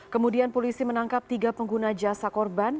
kemudian polisi menangkap tiga pengguna jasa korban